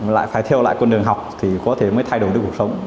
lại phải theo lại con đường học thì có thể mới thay đổi được cuộc sống